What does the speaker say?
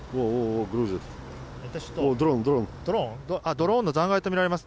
ドローンの残骸とみられます。